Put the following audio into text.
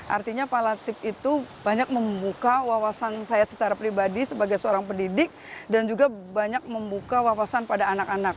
artinya palatif itu banyak membuka wawasan saya secara pribadi sebagai seorang pendidik dan juga banyak membuka wawasan pada anak anak